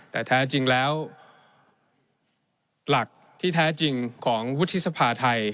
แต่แท้จริงแล้วหลักที่แท้จริงของวุฒิสภาไทย